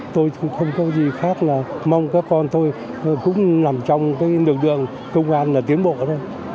tôi cũng không có gì khác là mong các con tôi cũng nằm trong cái lượng đường công an tiến bộ thôi